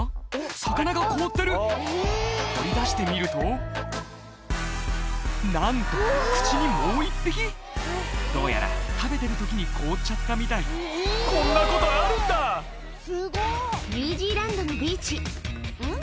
魚が凍ってる取り出してみるとなんと口にもう１匹どうやら食べてる時に凍っちゃったみたいこんなことあるんだニュージーランドのビーチんっ？